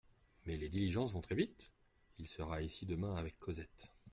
Mais les diligences vont très vite ! Il sera ici demain avec Cosette.